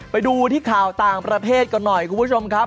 ไปดูที่ข่าวต่างประเทศกันหน่อยคุณผู้ชมครับ